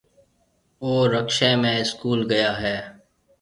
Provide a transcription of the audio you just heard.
اُو رڪشيَ ۾ اسڪول گيا هيَ۔